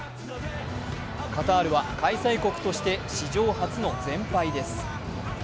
カタールは開催国として史上初の全敗です。